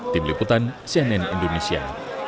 tim liputan cnn indonesia